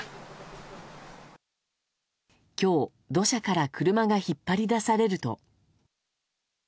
今日、土砂から車が引っ張り出されると。